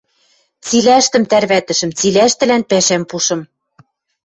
Цилӓштӹм тӓрвӓтӹшӹм, цилӓштӹлӓн пӓшӓм пушым...